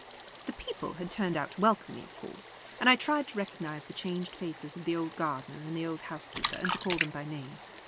The people had turned out to welcome me, of course, and I tried to recognise the changed faces of the old gardener and the old housekeeper, and to call them by name.